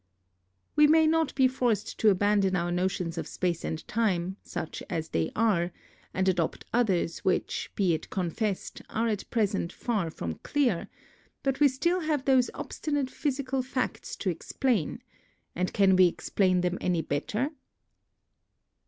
We may not be forced to abandon our notions of space and time, such as they are, and adopt others which, be it confessed, are at present far from clear, but we still have those obstinate physical facts to explain, and can we explain them any better